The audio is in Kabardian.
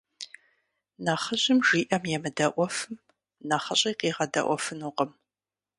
Нэхъыжьым жиӀэм емыдэӀуэфым, нэхъыщӀи къигъэдэӀуэфынукъым.